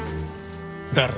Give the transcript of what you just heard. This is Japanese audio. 誰だ！？